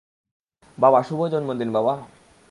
বাবা, - শুভ জন্মদিন বাবা।